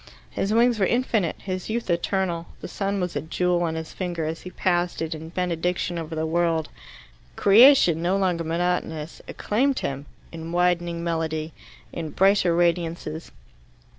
His wings were infinite, his youth eternal; the sun was a jewel on his finger as he passed it in benediction over the world. Creation, no longer monotonous, acclaimed him, in widening melody, in brighter radiances.